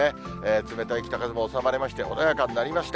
冷たい北風も収まりまして、穏やかになりました。